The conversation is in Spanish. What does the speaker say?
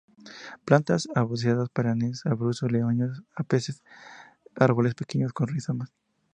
Plantas herbáceas perennes, arbustos leñosos, a veces árboles pequeños con rizomas.